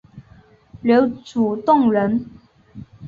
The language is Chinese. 刘祖洞人。